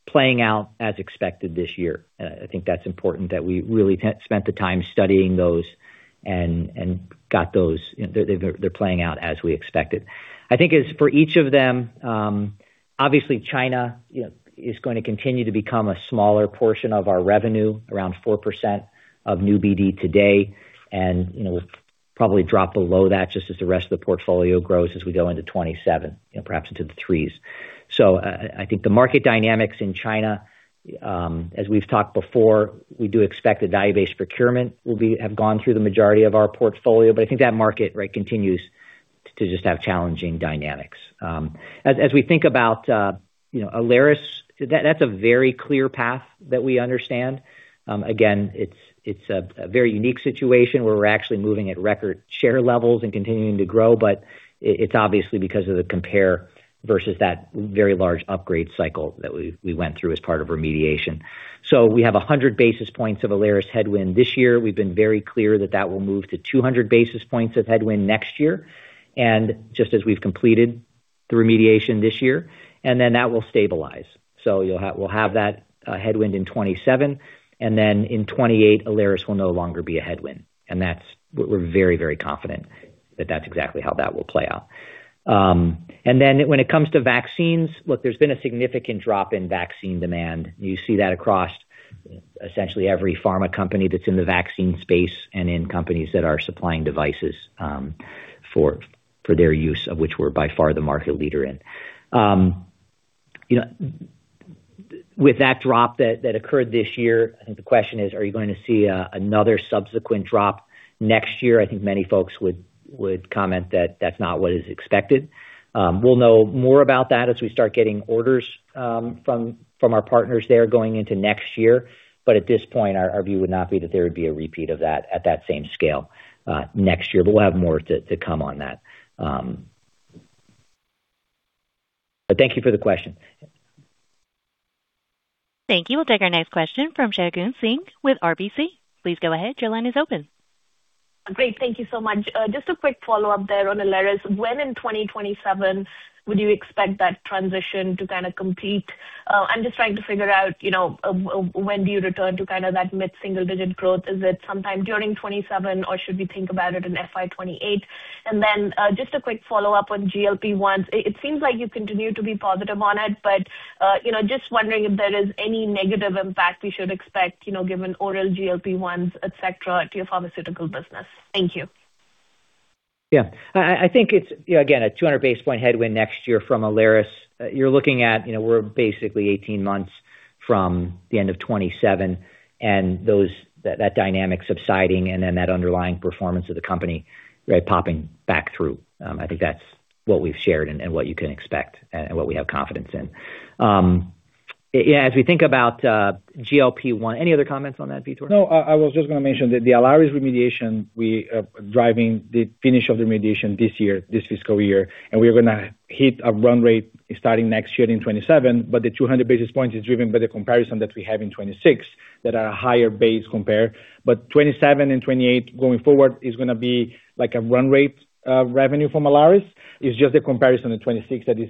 you know, playing out as expected this year. I think that's important that we really spent the time studying those and got those. You know, they're playing out as we expected. I think as for each of them, obviously China, you know, is going to continue to become a smaller portion of our revenue, around 4% of new BD today. You know, we'll probably drop below that just as the rest of the portfolio grows as we go into 2027, you know, perhaps into the 3%. I think the market dynamics in China, as we've talked before, we do expect the database procurement have gone through the majority of our portfolio. I think that market, right, continues to just have challenging dynamics. As we think about, you know, Alaris, that's a very clear path that we understand. Again, it's a very unique situation where we're actually moving at record share levels and continuing to grow. It's obviously because of the compare versus that very large upgrade cycle that we went through as part of remediation. We have 100 basis points of Alaris headwind this year. We've been very clear that that will move to 200 basis points of headwind next year. Just as we've completed the remediation this year, and then that will stabilize. We'll have that headwind in 2027, and then in 2028, Alaris will no longer be a headwind. That's what we're very, very confident that that's exactly how that will play out. Then when it comes to vaccines, look, there's been a significant drop in vaccine demand. You see that across essentially every pharma company that's in the vaccine space and in companies that are supplying devices for their use, of which we're by far the market leader in. You know, with that drop that occurred this year, I think the question is, are you going to see another subsequent drop next year? I think many folks would comment that that's not what is expected. We'll know more about that as we start getting orders from our partners there going into next year. At this point, our view would not be that there would be a repeat of that at that same scale, next year. We'll have more to come on that. Thank you for the question. Thank you. We'll take our next question from Shagun Singh with RBC. Please go ahead. Your line is open. Great. Thank you so much. Just a quick follow-up there on Alaris. When in 2027 would you expect that transition to kind of complete? I'm just trying to figure out, you know, when do you return to kind of that mid-single-digit growth? Is it sometime during 2027, or should we think about it in FY 2028? Just a quick follow-up on GLP-1s. It seems like you continue to be positive on it, you know, just wondering if there is any negative impact we should expect, you know, given oral GLP-1s, et cetera, to your pharmaceutical business. Thank you. Yeah. I think it's, you know, again, a 200 basis point headwind next year from Alaris. You're looking at, you know, we're basically 18 months from the end of 2027, and that dynamic subsiding and then that underlying performance of the company, right, popping back through. I think that's what we've shared and what you can expect and what we have confidence in. Yeah, as we think about GLP-1, any other comments on that, Vitor? No, I was just going to mention that the Alaris remediation, we are driving the finish of the remediation this year, this fiscal year. We are going to hit a run rate starting next year in 2027, the 200 basis points is driven by the comparison that we have in 2026 that are higher base compare. 2027 and 2028 going forward is going to be like a run rate revenue from Alaris. It is just a comparison to 2026 that is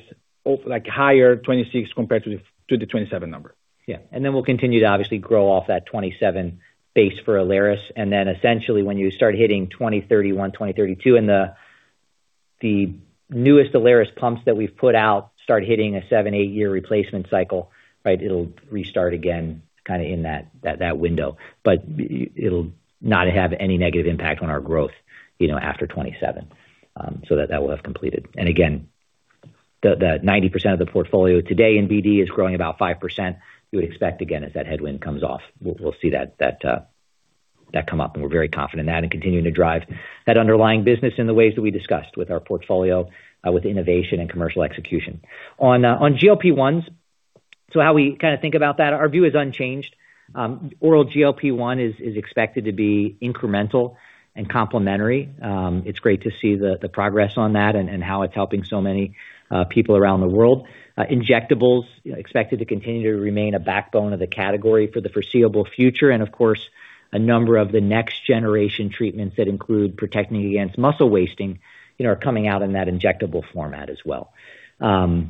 like higher 2026 compared to the 2027 number. Yeah. We'll continue to obviously grow off that 2027 base for Alaris. Essentially, when you start hitting 2031, 2032 and the newest Alaris pumps that we've put out start hitting a seven, eight-year replacement cycle, right? It'll restart again kind of in that window. It'll not have any negative impact on our growth, you know, after 2027. That will have completed. Again, the 90% of the portfolio today in BD is growing about 5%. You would expect again, as that headwind comes off, we'll see that come up, and we're very confident in that and continuing to drive that underlying business in the ways that we discussed with our portfolio, with innovation and commercial execution. On GLP-1s. How we kind of think about that, our view is unchanged. Oral GLP-1 is expected to be incremental and complementary. It's great to see the progress on that and how it's helping so many people around the world. Injectables expected to continue to remain a backbone of the category for the foreseeable future. Of course, a number of the next generation treatments that include protecting against muscle wasting, you know, are coming out in that injectable format as well. You know,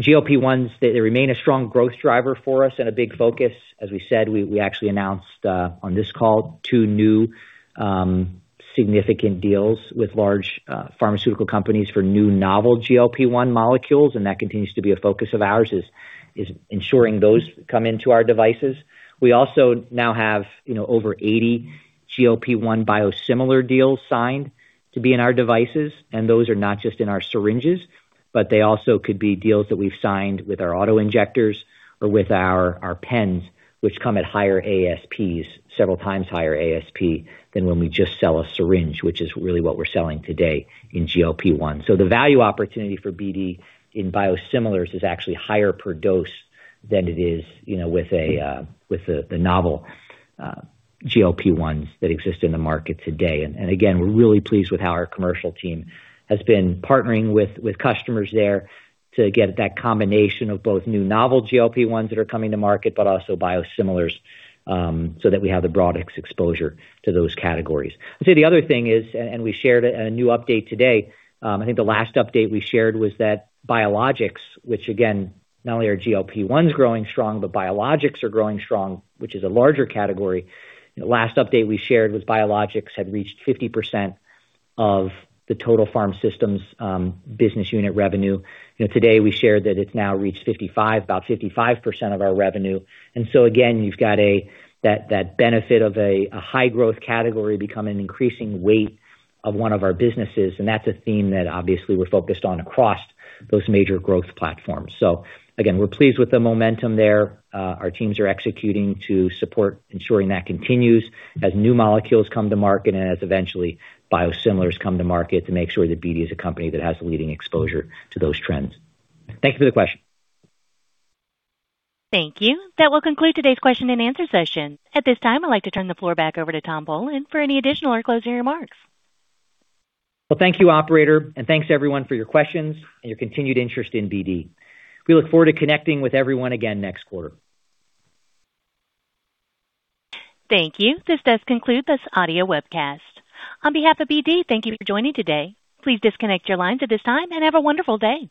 GLP-1s remain a strong growth driver for us and a big focus. As we said, we actually announced on this call two new significant deals with large pharmaceutical companies for new novel GLP-1 molecules, that continues to be a focus of ours, ensuring those come into our devices. We also now have, you know, over 80 GLP-1 biosimilar deals signed to be in our devices, and those are not just in our syringes, but they also could be deals that we've signed with our auto-injectors or with our pens, which come at higher ASPs, several times higher ASP than when we just sell a syringe, which is really what we're selling today in GLP-1. The value opportunity for BD in biosimilars is actually higher per dose than it is, you know, with the novel GLP-1s that exist in the market today. Again, we're really pleased with how our commercial team has been partnering with customers there to get that combination of both new novel GLP-1s that are coming to market, but also biosimilars, so that we have the broadest exposure to those categories. I'd say the other thing is, we shared a new update today. I think the last update we shared was that biologics, which again, not only are GLP-1s growing strong, but biologics are growing strong, which is a larger category. Last update we shared was biologics had reached 50% of the total Pharm Systems business unit revenue. You know, today we shared that it's now reached 55%, about 55% of our revenue. Again, you've got that benefit of a high growth category become an increasing weight of one of our businesses, and that's a theme that obviously we're focused on across those major growth platforms. Again, we're pleased with the momentum there. Our teams are executing to support ensuring that continues as new molecules come to market and as eventually biosimilars come to market to make sure that BD is a company that has leading exposure to those trends. Thank you for the question. Thank you. That will conclude today's question and answer session. At this time, I'd like to turn the floor back over to Tom Polen for any additional or closing remarks. Well, thank you, operator, and thanks everyone for your questions and your continued interest in BD. We look forward to connecting with everyone again next quarter. Thank you. This does conclude this audio webcast. On behalf of BD, thank you for joining today. Please disconnect your lines at this time and have a wonderful day.